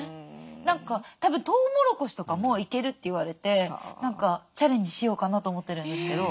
何かたぶんトウモロコシとかもいけるって言われて何かチャレンジしようかなと思ってるんですけど。